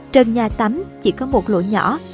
trần nhà tắm chỉ có một lỗ nhỏ